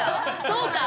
そうか！